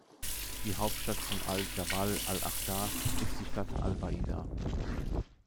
Die Hauptstadt von al-Dschabal al-Achdar ist die Stadt al-Baida.